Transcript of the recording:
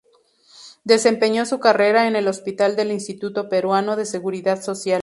Desempeñó su carrera en el Hospital del Instituto Peruano de Seguridad Social.